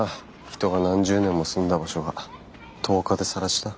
人が何十年も住んだ場所が１０日でさら地だ。